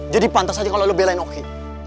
jadi pantas aja kalau lo belain oki